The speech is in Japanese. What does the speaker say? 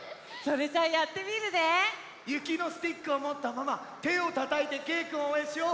ゆきのスティックをもったままてをたたいてけいくんをおうえんしよう。